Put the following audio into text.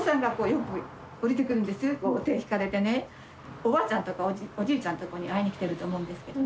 おばあちゃんとかおじいちゃんとこに会いに来てると思うんですけどね